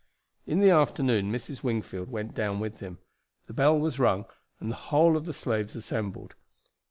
In the afternoon Mrs. Wingfield went down with him. The bell was rung and the whole of the slaves assembled.